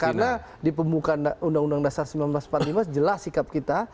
karena di pembukaan undang undang dasar seribu sembilan ratus empat puluh lima jelas sikap kita